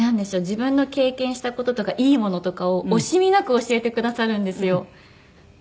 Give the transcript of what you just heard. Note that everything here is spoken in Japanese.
自分の経験した事とかいいものとかを惜しみなく教えてくださるんですよ。